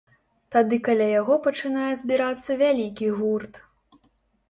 Тады каля яго пачынае збірацца вялікі гурт.